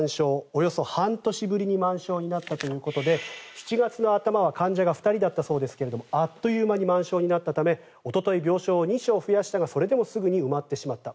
およそ半年ぶりに満床になったということで７月の頭は患者が２人だったそうですがあっという間に満床になったためおととい病床を２床増やしたがそれでもすぐに埋まってしまった。